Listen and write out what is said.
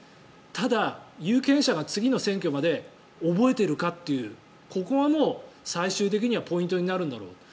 ただ、有権者が次の選挙まで覚えているかというここがもう最終的にはポイントになるんだろうと。